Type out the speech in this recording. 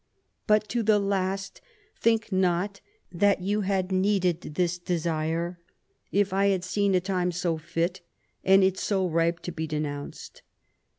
But to the last, think not that you had needed this desire, if I had seen a time so fit, and it so ripe to be denounced.